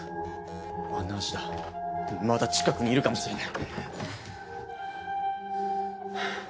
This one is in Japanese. あの足だまだ近くにいるかもしれない。